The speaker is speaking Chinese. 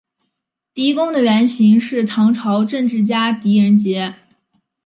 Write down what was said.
狄公的原型是唐朝政治家狄仁杰。